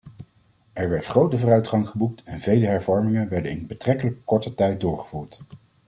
Er werd grote vooruitgang geboekt en vele hervormingen werden in betrekkelijk korte tijd doorgevoerd.